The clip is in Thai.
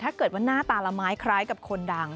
ถ้าเกิดว่าหน้าตาละไม้คล้ายกับคนดัง